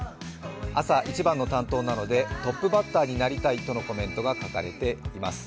朝一番の担当なのでトップバッターになりたいとのコメントが書かれています。